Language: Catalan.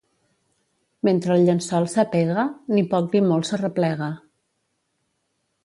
Mentre el llençol s'apega, ni poc ni molt s'arreplega.